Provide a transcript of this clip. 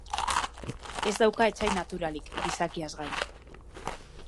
Ez dauka etsai naturalik, gizakiaz gain.